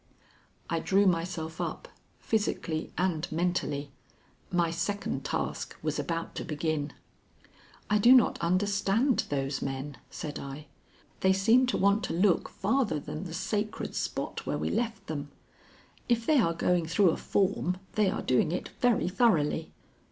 I drew myself up physically and mentally. My second task was about to begin. "I do not understand those men," said I. "They seem to want to look farther than the sacred spot where we left them. If they are going through a form, they are doing it very thoroughly."